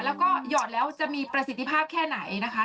แล้วก็หยอดแล้วจะมีประสิทธิภาพแค่ไหนนะคะ